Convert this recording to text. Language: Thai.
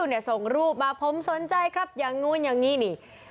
เนี่ยส่งรูปมาผมสนใจครับอย่างนู้นอย่างนี้นี่